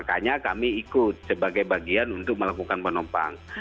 dan makanya kami ikut sebagai bagian untuk melakukan penumpang